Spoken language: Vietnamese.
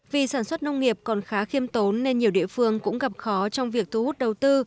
vì sản xuất nông nghiệp còn khá khiêm tốn nên nhiều địa phương cũng gặp khó trong việc thu hút đầu tư